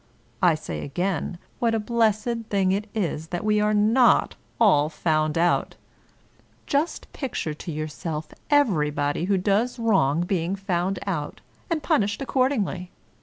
I say again what a blessed thing it is that we are not all found out ! Just picture to yourself everybody who does wrong be ing found out, and punished accordingly.